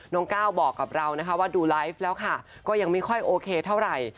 ก้าวบอกกับเรานะคะว่าดูไลฟ์แล้วค่ะก็ยังไม่ค่อยโอเคเท่าไหร่